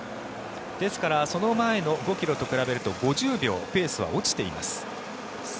ですからその前の５ｋｍを比べると５０秒ペースは落ちています。